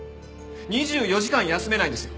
２４時間休めないんですよ。